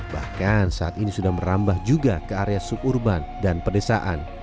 bahkan saat ini sudah merambah juga ke area suburban dan pedesaan